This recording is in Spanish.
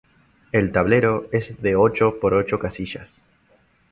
El tablero es de ocho por ocho casillas.